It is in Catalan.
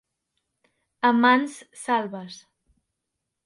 A mans salves.